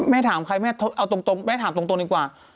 แม่ถามใครแม่ถามตรงดีกว่า